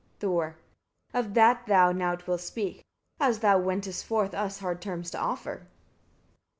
Thor. 41. Of that thou now wilt speak, as thou wentest forth us hard terms to offer.